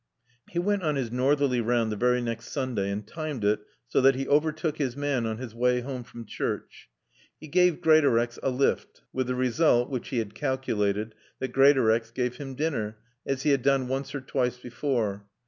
He went on his northerly round the very next Sunday and timed it so that he overtook his man on his way home from church. He gave Greatorex a lift with the result (which he had calculated) that Greatorex gave him dinner, as he had done once or twice before.